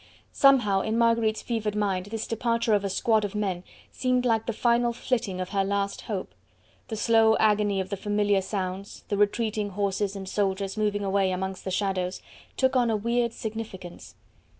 Somehow in Marguerite's fevered mind this departure of a squad of men seemed like the final flitting of her last hope; the slow agony of the familiar sounds, the retreating horses and soldiers moving away amongst the shadows, took on a weird significance.